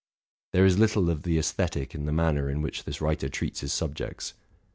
There is little of the zesthetic in the manner in which this writer treats his subjects.